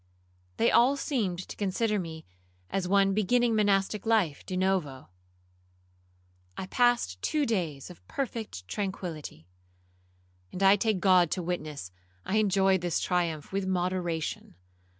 They all seemed to consider me as one beginning monastic life de novo. I passed two days of perfect tranquillity, and I take God to witness, I enjoyed this triumph with moderation.